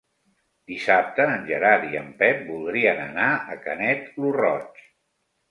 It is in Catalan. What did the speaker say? Dissabte en Gerard i en Pep voldrien anar a Canet lo Roig.